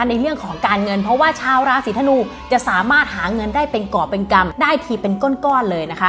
ในเรื่องของการเงินเพราะว่าชาวราศีธนูจะสามารถหาเงินได้เป็นก่อเป็นกรรมได้ทีเป็นก้อนเลยนะคะ